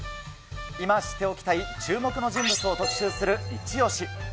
今知っておきたい注目の人物を特集するイチオシ。